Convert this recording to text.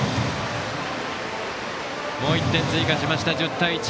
もう１点追加しました、１０対１。